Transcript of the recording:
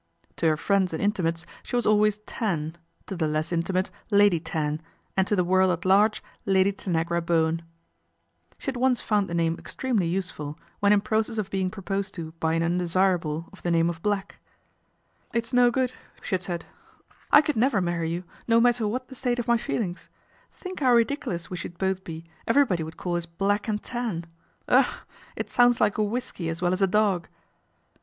To her friends and intimates she was always 'an, to the less intimate Lady Tan, and to the vorld at large Lady Tanagra Bowen. She had once found the name extremely use ul, when in process of being proposed to by an indesirable of the name of Black. " It's no good," she had said, " I could never H2 PATRICIA BRENT, SPINSTER marry you, no matter what the state of my feel ings. Think how ridiculous we should both be, everybody would call us Black and Tan. Ugh I it sounds like a whisky as well as a dog."